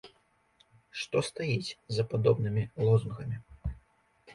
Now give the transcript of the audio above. Што стаіць за падобнымі лозунгамі?